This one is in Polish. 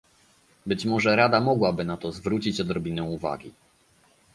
Być może Rada mogłaby na to zwrócić odrobinę uwagi